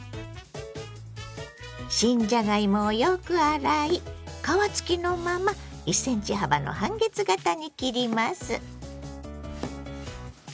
新じゃがいもをよく洗い皮付きのまま１ｃｍ幅の半月形に切ります。